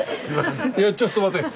いやちょっと待って。